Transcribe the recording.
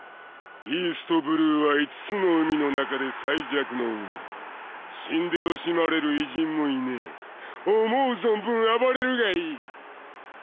イーストブルーは５つの海の中で最弱の海死んで惜しまれる偉人もいねえ思う存分暴れるがいい